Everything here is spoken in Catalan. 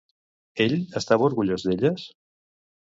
Ell estava orgullós d'elles?